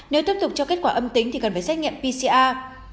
nếu tiếp tục cho kết quả âm tính thì cần phải xét nghiệm pcr